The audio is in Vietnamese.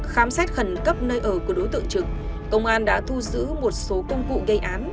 khám xét khẩn cấp nơi ở của đối tượng trực công an đã thu giữ một số công cụ gây án